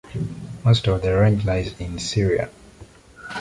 Most of the range lies in Syria.